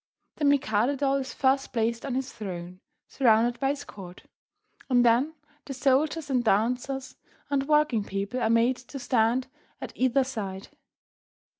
The Mikado doll is first placed on his throne, surrounded by his court, and then the soldiers and dancers and working people are made to stand at either side.